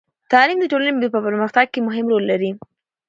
تعلیم د ټولنې په پرمختګ کې مهم رول لري.